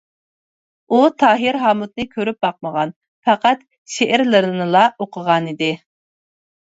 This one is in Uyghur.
ئۇ تاھىر ھامۇتنى كۆرۈپ باقمىغان، پەقەت شېئىرلىرىنىلا ئوقۇغانىدى.